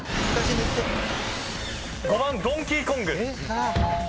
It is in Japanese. ５番ドンキーコング。